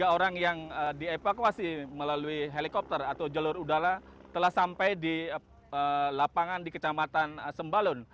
tiga orang yang dievakuasi melalui helikopter atau jalur udara telah sampai di lapangan di kecamatan sembalun